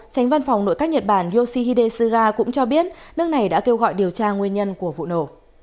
tránh văn phòng nội các nhật bản yoshihide suga cũng cho biết nước này đã kêu gọi điều tra nguyên nhân của vụ nổ